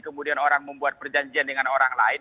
kemudian orang membuat perjanjian dengan orang lain